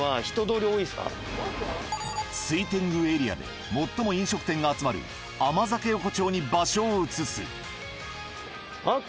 水天宮エリアで最も飲食店が集まる甘酒横丁に場所を移すあっ